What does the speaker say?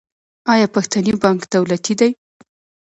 آیا پښتني بانک دولتي دی؟